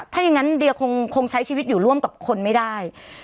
ถ้าอย่างนั้นเดียคงใช้ชีวิตอยู่ร่วมกับคนไม่ได้